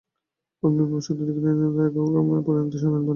ঊর্মির ভাবী স্বত্বাধিকারী নীরদনাথ একাগ্রমনে তার পরিণতি-সাধনের ভার নিলে।